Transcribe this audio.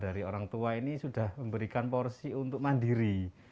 dari orang tua ini sudah memberikan porsi untuk mandiri